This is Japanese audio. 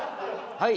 はい。